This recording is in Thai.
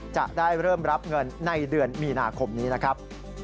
จะได้เริ่มรับเงินในเดือนมีนาคมนี้นะครับ